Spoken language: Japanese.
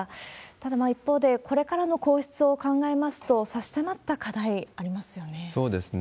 ただ一方で、これからの皇室を考えますと、差し迫った課題、ありますよね。